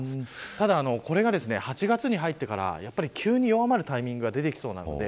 ただこれが８月に入ってから急に弱まるタイミングが出てきそうです。